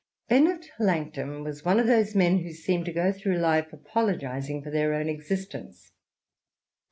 Bennet Langton was one of those men who seem to go through life apologising for their own existence.